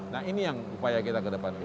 nah ini yang upaya kita ke depan